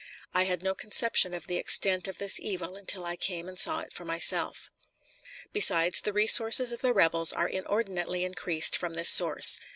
I had no conception of the extent of this evil until I came and saw for myself. Besides, the resources of the rebels are inordinately increased from this source.